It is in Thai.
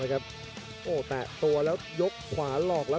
กันต่อแพทย์จินดอร์